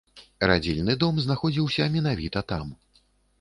Радзільны дом знаходзіўся менавіта там.